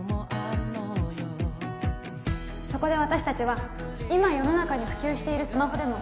そこで私達は今世の中に普及しているスマホでも